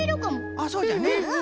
あっそうじゃね。